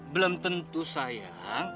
belum tentu sayang